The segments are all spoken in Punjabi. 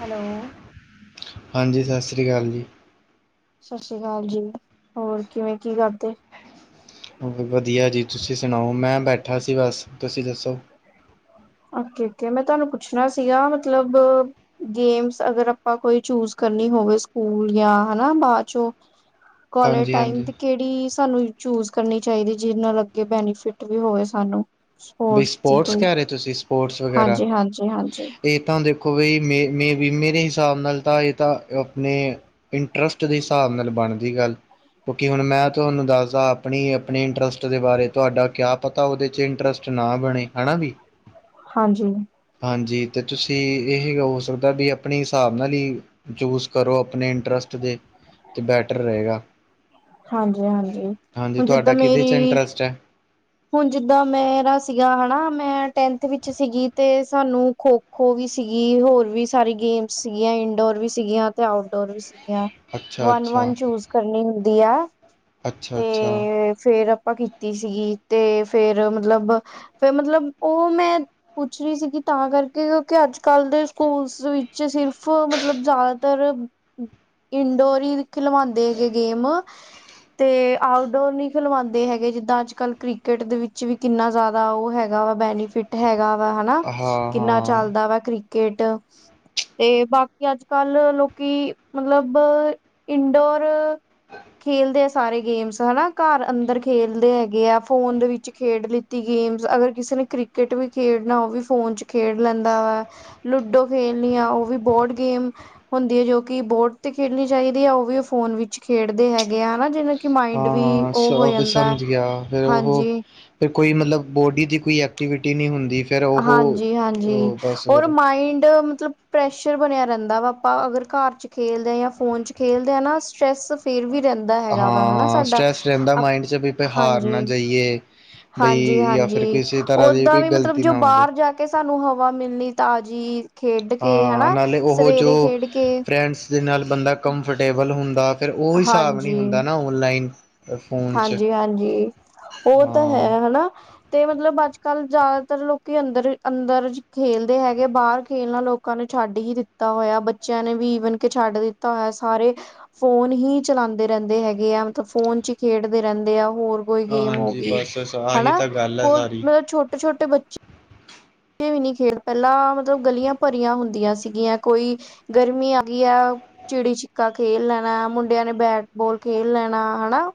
ਹੈਲੋ, ਹਾਂਜੀ ਸਤਿ ਸ਼੍ਰੀ ਕਾਲ ਜੀ। ਸਤਿ ਸ੍ਰੀ ਕਾਲ ਜੀ ਹੋਰ ਕਿਵੇਂ, ਕੀ ਕਰਦੇ? ਵਧੀਆ ਜੀ, ਤੁਸੀਂ ਸੁਣਾਓ ਮੈਂ ਬੈਠਾ ਸੀ ਬਸ ਤੁਸੀਂ ਦੱਸੋ? ਓਕੇ-ਓਕੇ ਮੈਂ ਤੁਹਾਨੂੰ ਪੁੱਛਣਾ ਸੀਗਾ ਮਤਲਬ ਗੇਮਸ ਅਗਰ ਆਪਾਂ ਕੋਈ ਚੂਜ ਕਰਨੀ ਹੋਵੇ ਸਕੂਲ ਜਾਂ ਹਨਾ ਬਾਅ ਚੋਂ ਕੌਲਜ ਹਾਂਜੀ ਟਾਈਮ ਹਾਂਜੀ ਤੇ ਕਿ ਕੀ ਸਾਨੂੰ ਚੂਜ ਕਰਨੀ ਚਾਈਦੀ ਜਿਹਦੇ ਨਾਲ ਅੱਗੇ ਬੈਨੀਫਿਟ ਵੀ ਹੋਵੇ ਸਾਨੂੰ। ਵੀ ਦੀ ਸਪੋਰਟਸ ਕੋਈ ਕਹਿ ਰਹੇ ਤੁਸੀਂ ਸਪੋਰਟਸ ਵਗੈਰਾ ਹਾਂਜੀ ਹਾਂਜੀ ਹਾਂਜੀ ਇਹ ਤਾਂ ਦੇਖੋ ਬਈ ਮੇ-ਮੇ ਵੀ ਮੇਰੇ ਹਿਸਾਬ ਨਾਲ ਤਾਂ ਇਹ ਤਾਂ ਆਪਣੇ ਇੰਟਰਸਟ ਦੇ ਹਿਸਾਬ ਨਾਲ ਬਣਦੀ ਗੱਲ ਕਿਉਂਕਿ ਹੁਣ ਮੈਂ ਤੁਹਾਨੂੰ ਦੱਸਦਾ ਆਪਣੀ ਆਪਣੇ ਇੰਟਰਸਟ ਦੇ ਬਾਰੇ ਤੁਹਾਡਾ ਕਿਆ ਪਤਾ ਉਹਦੇ ਚ ਇੰਟਰਸ ਨਾ ਬਣੇ ਹਨਾ ਵੀ ਹਾਂਜੀ, ਹਾਂਜੀ ਤੇ ਤੁਸੀਂ ਇਹੀ ਹੋ ਸਕਦਾ ਵੀ ਆਪਣੇ ਹਿਸਾਬ ਨਾਲ ਈ ਚੂਸ ਕਰੋ ਆਪਣੇ ਇੰਟਰਸਟ ਦੇ ਤੇ, ਬੈਟਰ ਰਏਗਾ। ਹਾਂਜੀ ਹਾਂਜੀ ਹਾਂਜੀ ਹੁਣ ਜਿੱਦਾਂ ਤੁਹਾਡਾ ਕਿਹਦੇ ਚ ਮੇਰੀ ਇੰਟਰਸਟ ਐ? ਹੁਣ ਜਿੱਦਾਂ ਮੇਰਾ ਸੀਗਾ ਹੈਨਾ ਮੈਂ ਟੈਂਨਥ ਵਿੱਚ ਸੀਗੀ ਤੇ ਸਾਨੂੰ ਖੋ- ਖੋ ਵੀ ਸੀਗੀ ਹੋਰ ਵੀ ਸਾਰੀ ਗੇਮਸ ਸੀਗੀਆਂ ਇੰਨਡੋਰ ਵੀ ਸੀਗੀਆਂ ਤੇ ਆਊਟਡੋਰ ਵੀ ਸੀਗੀਆਂ। ਅੱਛਾ ਅੱਛਾ ਵੰਨ-ਵੰਨ ਚੂਜ ਕਰਨੀ ਹੁੰਦੀ ਆ ਅੱਛਾ ਅੱਛਾ ਤੇ ਫੇਰ ਆਪਾਂ ਕੀ ਕੀਤੀ ਸੀਗੀ ਤੇ ਫੇਰ ਮਤਲਬ ਫਿਰ ਮਤਲਬ ਉਹ ਮੈਂ ਪੁੱਛ ਰਹੀ ਸੀਗੀ ਤਾਂ ਕਰਕੇ ਕਿਉਂਕਿ ਅੱਜ-ਕੱਲ੍ਹ ਦੇ ਸਕੂਲਸ ਵਿੱਚ ਸਿਰਫ ਮਤਲਬ- ਜ਼ਿਆਦਾਤਰ ਇੰਨਡੋਰ ਈ ਖਿਲਵਾਂਦੇ ਹੈਗੇ ਗੇਮ ਤੇ ਆਊਟਡੋਰ ਨ ਖਿਲਵਾਂਦੇ ਹੈਗੇ ਜਿੱਦਾਂ ਅੱਜ-ਕੱਲ ਕ੍ਰਿ ਕਟ ਦੇ ਵਿੱਚ ਵੀ ਕਿੰਨਾ ਜਾਦਾ ਉਹ ਹੈਗਾ ਵਾ ਬੈਨੀਫਿ ਟ ਹੈਗਾ ਵਾ ਹਨਾ ਹਾਂ ਹਾਂ ਕਿੰਨਾ ਹਾਂ ਚਲਦਾ ਵਾ ਕ੍ਰਿਕਟ। ਤੇ ਬਾਕੀ ਅੱਜ-ਕੱਲ੍ਹ ਲੋਕੀ ਮਤਲਬ ਇਨਡੋਰ ਖੇਲਦੇ ਆ ਸਾਰੇ ਗੇਮਸ ਹਨਾ ਘਰ ਅੰਦਰ ਖੇਲਦੇ ਹੈਗੇ ਆ। ਫੋਨ ਦੇ ਵਿੱਚ ਖੇਡ ਲਿੱਤੀ ਗੇਮਸ ਅਗਰ ਕਿਸੇ ਨੇ ਕ੍ਰਿਕਟ ਵੀ ਖੇਡਣਾ ਉਹ ਵੀ ਫੋਨ 'ਚ ਖੇਡ ਲੈਂਦਾ ਵਾ ਲੂਡੋ ਖੇਲਣੀ ਆ ਉਹ ਵੀ ਬੋਰਡ ਗੇਮ ਹੁੰਦੀ ਹੈ ਜੋ ਕਿ ਬੋਰਡ ਤੇ ਖੇਡਣੀ ਚਾਹੀਦੀ ਹੈ। ਉਹ ਵੀ ਫੋਨ ਵਿੱਚ ਖੇਡਦੇ ਹੈਗੇ ਹਨਾ ਜਿਵੇਂ ਕਿ ਮਾਇੰਡ ਵੀ ਉਹ ਹੋ ਜਾਂਦਾ। ਫੇਰ ਉਹੋ ਹਾਂਜੀ ਫਿਰ ਕੋਈ ਮਤਲਬ ਬੋਡੀ ਦੀ ਕੋਈ ਐਕਟੀਵਿਟੀ ਨੀ ਹੁੰਦੀ। ਫਿਰ ਉਹ ਹਾਂਜੀ, ਹਾਂਜੀ ਉਹ ਬਸ ਔਰ ਫਿਰ ਮਾਇੰਡ ਮਤਲਬ ਪ੍ਰੈਸ਼ਰ ਬਣਿਆ ਰਹਿੰਦਾ ਵਾ ਆਪਾਂ ਅਗਰ ਘਰ ਚ ਖੇਲਦੇ ਆਂ ਜਾਂ ਫੋਨ ਚ ਖੇਲਦੇ ਆ ਨਾ ਸਟਰੈਸ ਫੇਰ ਵੀ ਰਹਿੰਦਾ ਹਾਂ ਹੈਗਾ ਵਾ ਹਨਾ ਹਾਂ ਸਾਡਾ ਹਾਂਜੀ। ਦੀ ਏ ਹਾਂਜੀ, ਹਾਂਜੀ ਦੀ ਓਦਾਂ ਕੋਈ ਵੀ ਮਤਲਬ ਗ਼ਲਤੀ ਜੋ ਨਾ ਹੋ ਜਾਵੇ ਬਾਰ ਜਾ ਕੇ ਸਾਨੂੰ ਹਵਾ ਮਿਲਣੀ ਤਾਜੀ। ਹਾਂ ਨਾਲੇ ਉਹੋ ਜੋ ਕੇ ਫਰੈਂਡਸ ਜ ਨਾਲ ਬੰਦਾ ਕੰਫਰਟੇਬਲ ਹੁੰਦਾ ਫਿਰ ਉਹ ਹਿਸਾਬ ਨੀ ਹਾਂਜੀ, ਹੁੰਦਾ ਨਾ ਓਨਲਾਈਨ। ਹਾਂਜੀ-ਹਾਂਜੀ ਓ ਤਾਂ ਹੈ ਹਾਂ ਹਨਾ। ਤੇ ਮਤਲਬ ਅੱਜ-ਕੱਲ੍ਹ ਜ਼ਿਆਦਾਤਰ ਲੋਕੀ ਅੰਦਰ-ਅੰਦਰ ਖੇਲਦੇ ਹੈਗੇ ਬਾਰ ਖੇਲਣਾ ਲੋਕਾਂ ਨੇ ਛੱਡ ਹੀ ਦਿੱਤਾ ਹੋਇਆ। ਬੱਚਿਆਂ ਨੇ ਵੀ ਈਵਨ ਕੇ ਛੱਡ ਦਿੱਤਾ ਹੋਇਆ ਸਾਰੇ ਫੋਨ ਹੀ ਚਲਾਂਦੇ ਰੈਂਦੇ ਹੈਗੇ ਆ ਮਤਲਬ ਫੋਨ ਚ ਹੀ ਖੇਡਦੇ ਰਹਿੰਦੇ ਆ ਹੋਰ ਕੋਈ ਗੇਮ ਹੋ ਹਾਂਜੀ ਗਈ ਬਸ ਸ ਆਹੀ ਹਨਾ ਤਾਂ ਗੱਲ ਹੈ ਕੋਈ ਸਾਰੀ। ਮਤਲਬ ਛੋਟੇ-ਛੋਟੇ ਬੱਚੇ ਵੀ ਨੀ ਖੇਡ ਪਹਿਲਾਂ ਮਤਲਬ ਗਲੀਆਂ ਭਰੀਆਂ ਹੁੰਦੀਆਂ ਸੀਗੀਆਂ ਕੋਈ ਗਰਮੀ ਆ ਗੀ ਆ ਚਿੜੀ-ਛਿੱਕਾ ਖੇਲ ਲੈਣਾ ਮੁੰਡਿਆਂ ਨੇ ਬੈਟ-ਬੋਲ ਖੇਲ ਲੈਣਾ ਹਨਾ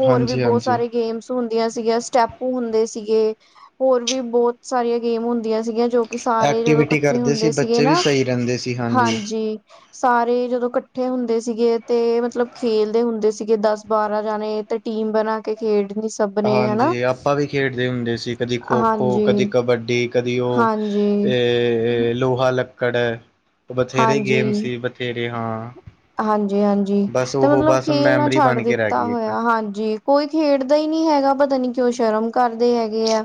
ਹੋਰ ਵੀ ਹਾਂਜੀ ਬਹੁਤ ਹਾਂਜੀ ਸਾਰੇ ਗੇਮਸ ਹੁੰਦੀਆਂ ਸੀਗੀਆਂ ਸਟੈਪੂ ਹੁੰਦੇ ਸੀਗੇ ਹੋਰ ਵੀ ਬਹੁਤ ਸਾਰੀਆਂ ਗੇਮ ਹੁੰਦੀਆਂ ਸੀਗੀਆਂ ਜੋ ਵੀ ਸਾਰੇ ਜਦੋਂ ਐਕਟੀਵਿਟੀ ਇਕੱਠੇ ਕਰਦੇ ਸੀ ਹੁੰਦੇ ਸੀਗੇ ਬੱਚੇ ਵੀ ਨਾ ਸਹੀ ਰਹਿੰਦੇ ਸੀ ਹਾਂਜੀ। ਸਾਰੇ ਜਦੋਂ ਕੱਠੇ ਹੁੰਦੇ ਸੀਗੇ ਤੇ ਮਤਲਬ ਖੇਲਦੇ ਹੁੰਦੇ ਸੀਗੇ ਦਸ-ਬਾਰਾਂ ਜਾਣੇ ਤੇ ਟੀਮ ਬਣਾ ਕੇ ਖੇਡਣੀ। ਸਭ ਨੇ ਹਨਾ ਹਾਂਜੀ ਆਪਾਂ ਵੀ ਖੇਡਦੇ ਹੁੰਦੇ ਸੀ ਕਦੀ ਖੋ-ਖੋ ਹਾਂਜੀ। ਕਦੀ ਕਬੱਡੀ ਕਦੀ ਉਹ ਹਾਂਜੀ, ਅ ਲੋਹਾ-ਲੱਕੜ ਬਥੇਰੇ ਗੇਮ ਸੀ। ਸਵੇਰੇ ਹਾਂ ਹਾਂਜੀ, ਹਾਂਜੀ ਬਸ ਤੇ ਉਹ ਮਤਲਬ ਬਸ ਖੇਲਨਾ ਮੈਮਰੀ ਛੱਡ ਬਣ ਕੇ ਰਹਿ ਦਿੱਤਾ ਗਈ ਇੱਕ ਹੋਇਆ ਹਾਂਜੀ। ਕੋਈ ਖੇਡਦਾ ਹੀ ਨੀ ਹੈਗਾ ਪਤਾ ਨੀ ਕਿਉਂ ਸ਼ਰਮ ਕਰਦੇ ਹੈਗੇ ਆ।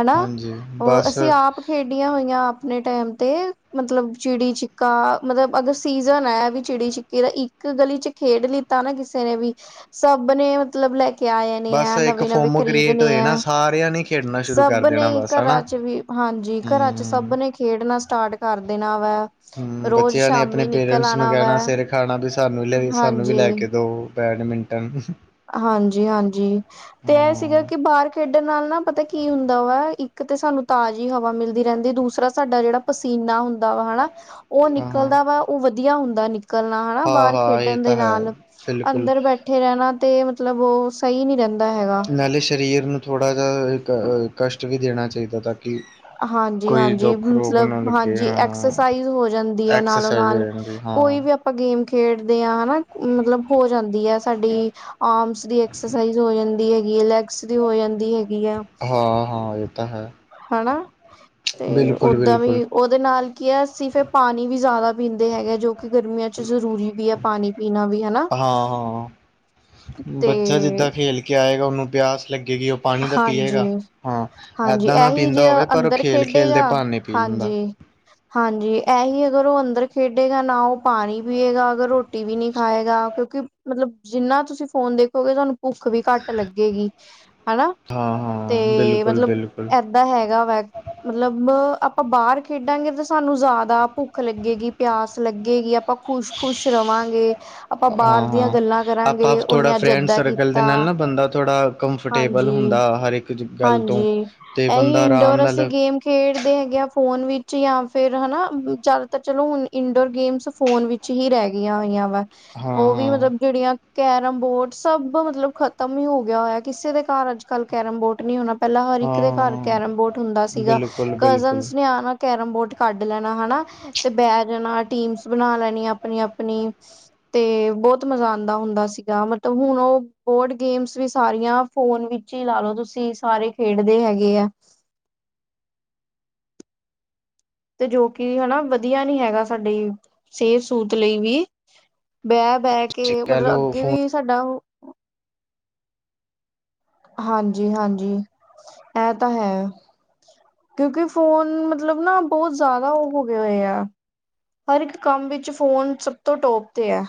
ਹਨਾ ਹਾਂਜੀ ਉਹ ਬਸ ਅਸੀਂ ਆਪ ਖੇਡੀਆਂ ਹੋਈਆਂ ਆਪਣੇ ਟਾਈਮ ਤੇ ਮਤਲਬ ਚਿੜੀ- ਛਿੱਕਾ ਮਤਲਬ ਅਗਰ ਸੀਜਨ ਹੈ ਵੀ ਚਿੜੀ-ਛਿੱਕੇ ਦਾ ਇੱਕ ਗਲੀ ਚ ਖੇਡ ਲਿੱਤਾ ਨਾ ਕਿਸੇ ਨੇ ਵੀ, ਸਭ ਨੇ ਮਤਲਬ ਲੈ ਕੇ ਕੇ ਆ ਬਸ ਇੱਕ ਨਵੇਂ-ਨਵੇਂ ਫੋਮੋ ਕ੍ਰੀਏਟ ਖ਼ਰੀਦਣੇ ਹੋਏ ਨਾ ਆਂ, ਸਾਰਿਆਂ ਨੇ ਖੇਡਣਾ ਸ਼ੁਰੂ ਕਰ ਸਭ ਨੇ ਦੇਣਾ ਬਸ ਹਨਾ। ਘਰਾਂ ਚ ਵੀ ਹਾਂਜੀ, ਘਰਾਂ ਚ ਹੂੰ ਸਭ ਨੇ ਖੇਡਣਾ ਸਟਾਰਟ ਕਰ ਦੇਣਾ ਵਾ। ਰੋਜ਼ ਸ਼ਾਮੀ ਨਿਕਲ ਆਣਾ ਵਾ ਕੈਣਾ ਸਿਰ ਖਾਣਾ, ਵੀ ਸਾਨੂੰ ਵੀ ਲ ਸਾਨੂੰ ਵੀ ਹਾਂਜੀ। ਲੈ ਕੇ ਦੋ ਬੈਡਮਿੰਟਨ। ਹਾਂਜੀ- ਹਾਂਜੀ ਤੇ ਇਹ ਸੀਗਾ ਹਾਂ, ਕਿ ਬਾਹਰ ਖੇਡਣ ਨਾਲ ਨਾ ਪਤਾ ਕੀ ਹੁੰਦਾ ਵਾ, ਇੱਕ ਤੇ ਸਾਨੂੰ ਤਾਜੀ ਹਵਾ ਮਿਲਦੀ ਰੈਂਦੀ, ਦੂਸਰਾ ਸਾਡਾ ਜੇੜਾ ਪਸੀਨਾ ਹੁੰਦਾ ਵਾ ਹਨਾ, ਉਹ ਹਾਂ, ਹਾਂ, ਨਿਕਲਦਾ ਵਾ ਉਹ ਵਧੀਆ ਹੁੰਦਾ। ਨਿਕਲਣਾ ਹਨਾ, ਹਾਂ, ਬਾਹਰ ਹਾਂ ਇਹ ਖੇਡਣ ਦੇ ਤਾਂ ਹੈ ਨਾਲ ਬਿਲਕੁਲ ਅੰਦਰ ਬੈਠੇ ਰਹਿਣਾ, ਤੇ ਮਤਲਬ ਓ ਸਹੀ ਨੀ ਰੈਂਦਾ ਹੈਗਾ। ਨਾਲੇ ਸਰੀਰ ਨੂੰ ਥੋੜ੍ਹਾ ਜਿਹਾ ਕਸ਼ਟ ਵੀ ਦੇਣਾ ਚਾਹੀਦਾ ਤਾਂ ਕਿ ਹਾਂਜੀ- ਕੋਈ ਹਾਂਜੀ ਦੁੱਖ ਰੋਗ ਮਤਲਬ ਨਾ ਲੱਗੇ ਹਾਂਜੀ ਹਾਂ ਐਕਸਸਾਈਜ਼ ਹੋ ਜਾਂਦੀ ਏ ਐਕਸਰਸਾਈਜ਼ ਹੋ ਨਾਲੋਂ-ਨਾਲ ਜਾਂਦੀ ਹਾਂ ਕੋਈ ਵੀ ਆਪਾਂ ਗੇਮ ਖੇਡਦੇ ਆਂ ਹਨਾ। ਮਤਲਬ ਹੋ ਜਾਂਦੀ ਐ, ਸਾਡੀ ਆਰਮਸ ਦੀ ਐਕਸਰਸਾਈਜ਼ ਹੋ ਜਾਂਦੀ ਐ ਹੈਗੀ, ਲੈਗ ਸ ਦੀ ਹੋ ਜਾਂਦੀ ਹੈਗੀ ਆ। ਹਾਂ -ਹਾਂ ਇਹ ਤਾਂ ਹੈ। ਹਨਾ, ਤੇ ਬਿਲਕੁਲ ਓਦਾਂ ਬਿਲਕੁਲ ਵੀ ਉਹਦੇ ਨਾਲ ਕੀ ਐ, ਅਸੀਂ ਫਿਰ ਪਾਣੀ ਵੀ ਜ਼ਿਆਦਾ ਪੀਂਦੇ ਹੈਗੇ, ਜੋ ਕਿ ਗਰਮੀਆਂ 'ਚ ਜ਼ਰੂਰੀ ਵੀ ਐ। ਪਾਣੀ ਪੀਣਾ ਵੀ ਹਨਾ, ਹਾਂ ਹਾਂ ਤੇ ਬੱਚਾ ਜਿੱਦਾਂ ਖੇਲ ਕੇ ਆਏਗਾ ਉਹਨੂੰ ਪਿਆਸ ਲੱਗੇਗੀ ਪਾਣੀ ਤਾਂ ਹਾਂਜੀ ਪੀਏਗਾ। ਹਾਂ, ਹਾਂਜੀ ਏਦਾਂ ਨਾ ਇਹੀ ਪੀਂਦਾ ਜੇ ਹੋਵੇ ਪਰ ਉਹ ਅੰਦਰ ਖੇਲ- ਖੇਲ ਦੇ ਖੇਡੇਗਾ ਬਾਨੇ ਪੀ ਲੈਂਦਾ। ਹਾਂਜੀ ਹਾਂਜੀ, ਇਹੀ ਅਗਰ ਉਹ ਅੰਦਰ ਖੇਡੇਗਾ ਨਾ ਉਹ ਪਾਣੀ ਪੀਏਗਾ, ਅਗਰ ਉਹ ਟੀ ਵੀ ਨੀ ਖਾਏਗਾ ਕਿਉਂਕਿ ਮਤਲਬ ਜਿੰਨਾ ਤੁਸੀਂ ਫੋਨ ਦੇਖੋਗੇ, ਤੁਹਾਨੂੰ ਭੁੱਖ ਵੀ ਘੱਟ ਲੱਗੇਗੀ ਹਨਾ। ਹਾਂ-ਹਾਂ, ਬਿਲਕੁਲ-ਬਿਲਕੁਲ। ਦਾ ਹੈਗਾ ਵੈ। ਮਤ ਲੱਬ ਆਪਾਂ ਬਾਹਰ ਖੇਡਾਂਗੇ ਤਾਂ ਸਾਨੂੰ ਜ਼ਿਆਦਾ ਭੁੱਖ ਲੱਗੇਗੀ, ਪਿਆਸ ਲੱਗੇਗੀ। ਆਪਾਂ ਖੁਸ਼- ਖ਼ੁਸ਼ ਰਵਾਂਗੇ, ਆਪਾਂ ਬਾਹਰ ਹਾਂ ਦੀਆਂ ਗੱਲਾਂ ਕਰਾਂਗੇ, ਉਹਨੇ ਅੱਜ ਏਦਾਂ ਕੀ ਹੈੱਲਦੀ ਦੇ ਨਾਲ ਨਾ ਬੰਦਾ ਥੋੜ੍ਹਾ ਕੰਫਰਟੇਬਲ ਹਾਂਜੀ ਹੁੰਦਾ ਹਰ ਇੱਕ। ਗੱਲ ਹਾਂਜੀ, ਤੋਂ ਤੇ ਇਹੀ ਬੰਦਾ ਆਰਾਮ ਇੰਡੋਰ ਨਾਲ ਅਸੀਂ ਗੇਮ ਖੇਡਦੇ ਹੈਗੇ ਆਂ ਫੋਨ ਵਿੱਚ, ਜਾਂ ਫਿਰ ਹਨਾ ਚੱਲ ਤਾਂ ਚਲੋ ਹੁਣ ਇੰਡੋਰ ਗੇਮਸ ਫੋਨ ਵਿੱ ਵਿੱਚ ਹੀ ਰਹਿ ਗਈਆਂ ਹੋਈਆਂ ਵਾ, ਹਾਂ ਉਹ ਵੀ ਹਾਂ ਮਤਲਬ ਜਿਹੜੀਆਂ ਕੈਰਮ-ਬੋਰਡ ਸੱਭ ਮਤਲਬ ਖ਼ਤਮ ਹੋ ਗਿਆ ਹੋਇਆ, ਕਿਸੇ ਦੇ ਘਰ ਅੱਜ-ਕੱਲ੍ਹ ਕੈਰਮ ਬੋਰਡ ਨੀ ਹੋਣਾ। ਪਹਿਲਾਂ ਹਰ ਇੱਕ ਦੇ ਘਰ ਹਾਂ ਕੈਰਮ-ਬੋਟ ਹੁੰਦਾ ਸੀਗਾ, ਬਿਲਕੁਲ ਬਿਲਕੁਲ ਕਜ਼ਨਸ ਨੇ ਆਨਾ ਕੈਰਮ-ਬੋਟ ਕੱਢ ਲੈਣਾ ਹਨਾ, ਤੇ ਬਹਿ ਜਾਣਾ, ਟੀਮਸ ਬਣਾ ਲੈਣੀ ਆਪਣੀ-ਆਪਣੀ। ਤੇ ਬਹੁਤ ਮਜ਼ਾ ਆਂਦਾ ਹੁੰਦਾ ਸੀਗਾ, ਮਤਲਬ ਹੁਣ ਉਹ ਬੋਡ ਗੇਮਸ ਵੀ ਸਾਰੀਆਂ ਫੋਨ ਵਿੱਚ ਈ ਲਾਲੋ ਤੁਸੀਂ, ਸਾਰੇ ਖੇਡਦੇ ਹੈਗੇ ਆ। ਤੇ ਜੋ ਕਿ ਹਨਾ ਵਧੀਆ ਨੀ ਹੈਗਾ, ਸਾਡੀ ਸਿਹਤ-ਸੂਤ ਲਈ ਵੀ ਬੈ ਬਹਿ ਕੇ ਤੁਸੀਂ ਕਹਿ ਮਤਲਬ- ਲਓ ਅੱਗੇ ਫੋਨ ਵੀ ਸਾਡਾ ਅਹੁ ਹਾਂਜੀ-ਹਾਂਜੀ, ਇਹ ਤਾਂ ਹੈ। ਕਿਉਂਕਿ ਫੋਨ ਮਤਲਬ ਨਾ ਬਹੁਤ ਜ਼ਿਆਦਾ ਉਵ ਹੋ ਗਏ ਆ। ਹਰ ਇੱਕ ਕੰਮ ਵਿੱਚ ਫੋਨ ਸਭ ਤੋਂ ਟੋਪ ਤੇ ਐ।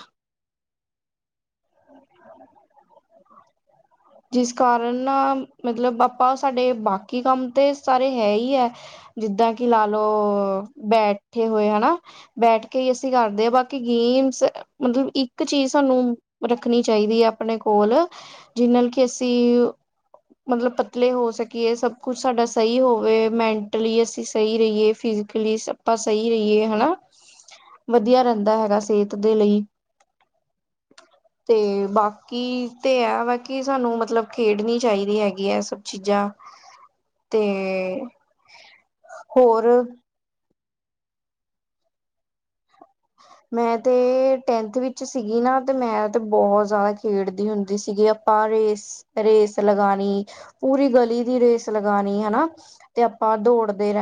[inaudible] ਜਿਸ ਕਾਰਨ ਨਾ ਮਤਲਬ- ਆਪਾਂ ਸਾਡੇ ਬਾਕੀ ਕੰਮ ਤੇ ਸਾਰੇ ਹੈ ਹੀ ਹੈ ਜਿੱਦਾਂ ਕਿ ਲਾ-ਅ ਲਓ ਬੈਠੇ ਹੋਏ ਹਨਾ। ਬੈਠ ਕੇ ਹੀ ਅਸੀਂ ਕਰਦੇ ਆ ਬਾਕੀ ਗੇਮਸ ਮਤਲਬ ਇੱਕ ਚੀਜ਼ ਸਾਨੂੰ ਰੱਖਣੀ ਚਾਈਦੀ ਐ ਆਪਣੇ ਕੋਲ, ਜਿਹਨਾਂ ਕੇਸੀ ਯੂ। ਮਤਲਬ ਪਤਲੇ ਹੋ ਸਕੀਏ, ਸਭ ਕੁਛ ਸਾਡਾ ਸਹੀ ਹੋਵੇ, ਮੈਂਟਲੀ ਅਸੀਂ ਸਹੀ ਰਹੀਏ ਫਿਜੀ ਕਲੀਸ ਆਪਾਂ ਸਹੀ ਰਹੀਏ ਹਨਾ। ਵਧੀਆ ਰਹਿੰਦਾ ਹੈਗਾ ਸਿਹਤ ਦੇ ਲਈ। ਤੇ ਬਾਕੀ ਤੇ ਇਹ ਵਾ ਕਿ ਸਾਨੂੰ ਮਤਲਬ ਖੇਡਣੀ ਚਾਈਦੀ ਹੈਗੀ ਹੈ ਇਹ ਸਭ ਚੀਜ਼ਾਂ। ਤੇ, ਹੋਰ। ਮੈਂ ਤੇ ਟੈਂਥ ਵਿੱਚ ਸੀਗੀ ਨਾ ਤੇ ਮੈਂ ਤੇ ਬਹੁਤ ਜ਼ਿਆਦਾ ਖੇਡਦੀ ਹੁੰਦੀ ਸੀ ਗੀ ਵੀ ਆਪ ਆਪਾਂ ਰੇਸ, ਰੇਸ ਲਗਾਣੀ, ਪੂਰੀ ਗਲੀ ਦੀ ਰੇਸ ਲਗਾਣੀ ਹਨਾ। ਤੇ ਆਪਾਂ ਦੌੜਦੇ ਰਹਿ